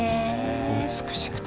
美しくて。